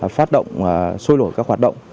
phát động xôi lổi các hoạt động